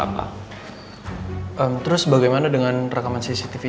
mencapai dengan arti arti